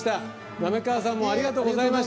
滑川さんもありがとうございました。